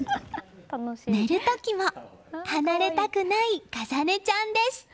寝る時も離れたくない華紗音ちゃんです。